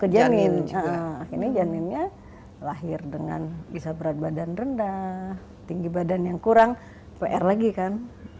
janin akhirnya janinnya lahir dengan bisa berat badan rendah tinggi badan yang kurang pr lagi kan